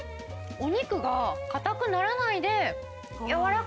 お肉が硬くならないで。